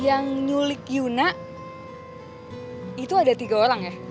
yang nyulik yuna itu ada tiga orang ya